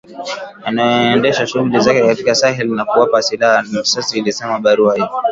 yanayoendesha shughuli zake katika Sahel na kuwapa silaha na risasi ilisema barua hiyo